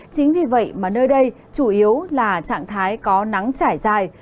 chính vì vậy mà nơi đây chủ yếu là trạng thái có nắng trải dài